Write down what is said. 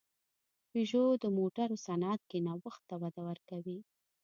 پيژو د موټرو صنعت کې نوښت ته وده ورکوي.